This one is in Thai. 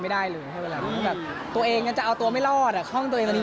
ไม่ได้หรือตัวเองจะเอาตัวไม่รอดอ่ะข้องตัวเองตัวนี้